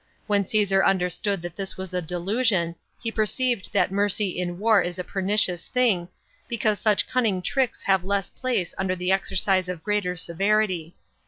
When Caesar understood that this was a delusion, he perceived that mercy in war is a pernicious thing, because such cunning tricks have less place under the exercise of greater severity.